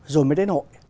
rồi mới đến hội